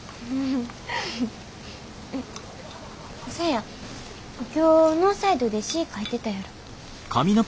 そや今日ノーサイドで詩ぃ書いてたやろ。